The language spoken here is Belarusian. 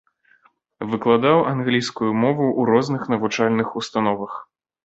Выкладаў англійскую мову ў розных навучальных установах.